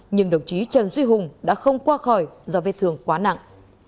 nhưng đồng chí trần duy hùng đã không qua khỏi do vết thương quá nặng